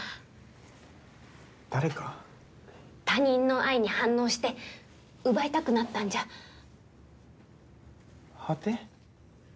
他人の愛に反応して奪いたくなったんじゃはて？